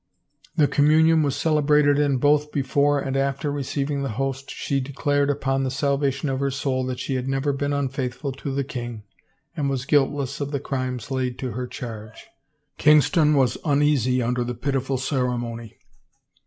The communion was celebrated and both before and after re 379 THE FAVOR OF KINGS ceiving the host she declared upon the salvation of her soul that she had never been unfaithful to the king and was guiltless of the crimes laid to her charge. Kingston was uneasy under the pitiful ceremony.